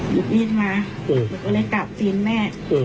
หยิบมีดมาหนูก็เลยกลับตีนแม่